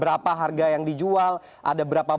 berapa harga yang dijual ada berapa